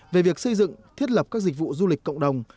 về việc xây dựng thiết lập các dịch vụ du lịch cộng đồng